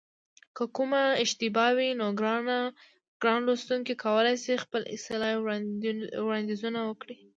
که کومه اشتباه وي نو ګران لوستونکي کولای شي خپل اصلاحي وړاندیزونه وکړي